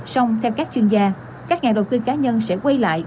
xong theo các chuyên gia các nhà đầu tư cá nhân sẽ quay lại